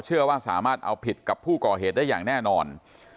เชื่อว่าสามารถเอาผิดกับผู้ก่อเหตุได้อย่างแน่นอน